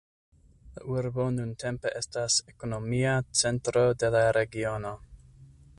La urbo nuntempe estas ekonomia centro de la regiono.